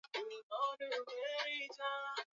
Misimu huibuka na kutoweka baada ya muda.